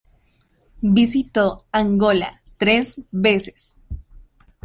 Visitó Angola tres veces.